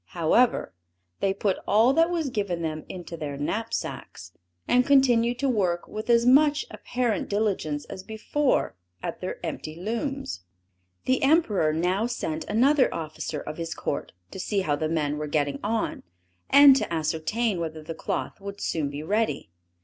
However, they put all that was given them into their knapsacks; and continued to work with as much apparent diligence as before at their empty looms. The Emperor now sent another officer of his court to see how the men were getting on, and to ascertain whether the cloth would soon be ready.